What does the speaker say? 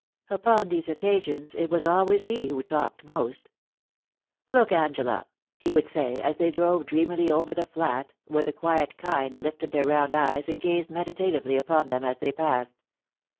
Upon these occasions it was always he who talked most ' Look, Angela,* he would say, as they drove dreamily over the flat, where the quiet kine lifted their round eyes and gazed meditatively upon them as they passed.